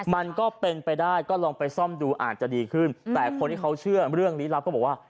มันก็เป็นไปได้ก็ลองไปซ่อมดูอาจจะดีขึ้นแต่คนที่เขาเชื่อเรื่องลี้ลับก็บอกว่า